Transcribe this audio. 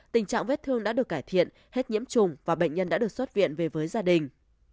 tình trạng vết thương đã được cải thiện hết nhiễm trùng và bệnh nhân đã được xuất viện về với gia đình